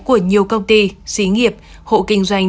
của nhiều công ty xí nghiệp hộ kinh doanh